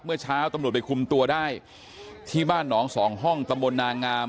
เมื่อเช้าตำรวจไปคุมตัวได้ที่บ้านหนองสองห้องตำบลนางาม